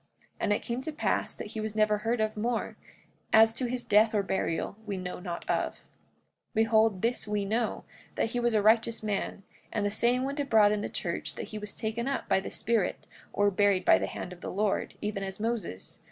And it came to pass that he was never heard of more; as to his death or burial we know not of. 45:19 Behold, this we know, that he was a righteous man; and the saying went abroad in the church that he was taken up by the Spirit, or buried by the hand of the Lord, even as Moses.